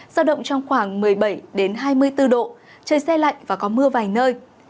giao động trong khoảng một mươi bảy hai mươi bốn độ trời xe lạnh và có mưa vài nơi